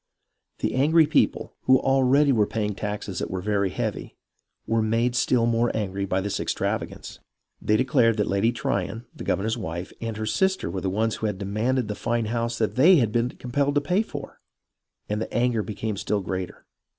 The angry people, who already were paying taxes that were very heavy, were made still more angry by this extravagance. They declared that Lady Tryon, the governor's wife, and her sister were the ones who had demanded the fine house that they had been compelled to pay for ; and the anger became still greater.